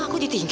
aku udah bangun